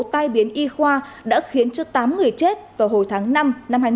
tai biến y khoa đã khiến cho tám người chết vào hồi tháng năm năm hai nghìn một mươi ba